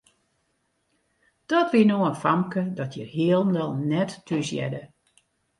Dat wie no in famke dat hjir hielendal net thúshearde.